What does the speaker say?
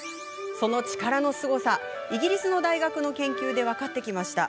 その力のすごさがイギリスの大学の研究で分かってきました。